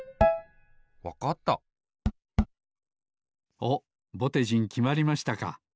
おっぼてじんきまりましたか。